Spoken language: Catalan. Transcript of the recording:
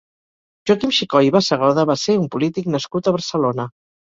Joaquim Xicoy i Bassegoda va ser un polític nascut a Barcelona.